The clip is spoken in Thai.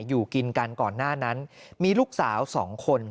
อยู่กินกันก่อนหน้านั้นมีลูกสาว๒คน